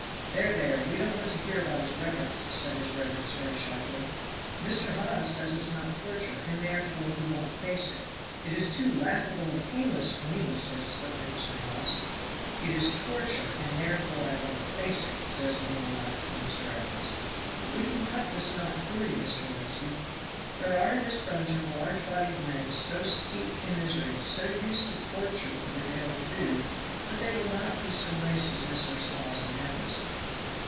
"There, there, we don't want to hear about his reverence," said his reverence very sharply. "Mr. Hawes says it is not torture, and therefore he won't face it. 'It is too laughable and painless for me,' says slippery Mr. Hawes. 'It is torture, and therefore I won't face it,' says the more logical Mr. Evans. But we can cut this knot for you, Mr. Lacy. There are in this dungeon a large body of men so steeped in misery, so used to torture for their daily food, that they will not be so nice as Messrs. Hawes and Evans.